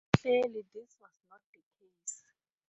Clearly this was not the case.